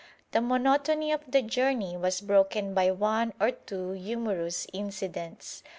The monotony of the journey was broken by one or two humorous incidents.